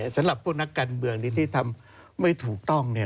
สำหรับพวกนักการเมืองที่ทำไม่ถูกต้อง